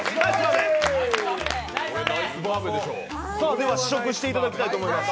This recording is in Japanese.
では、試食していただきたいと思います。